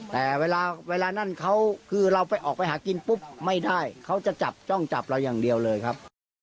แต่เวลานั่นเขาคือเราไปออกไปหากินปุ๊บไม่ได้เขาจะจับจ้องจับเราอย่างเดียวเลยครับ